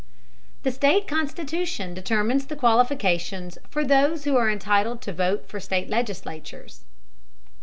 The state constitution determines the qualifications of those who are entitled to vote for state legislators.